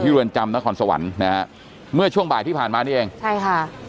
เรือนจำนครสวรรค์นะฮะเมื่อช่วงบ่ายที่ผ่านมานี่เองใช่ค่ะ